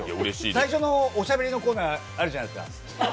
最初のおしゃべりのコーナーあるじゃないですか。